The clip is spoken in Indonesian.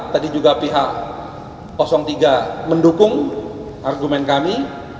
tadi juga pihak tiga mendukung argumen kami